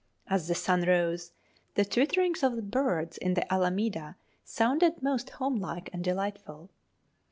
As the sun rose, the twitterings of the birds in the Alameda sounded most homelike and delightful.